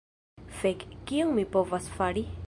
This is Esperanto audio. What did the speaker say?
Fek! Kion mi povas fari?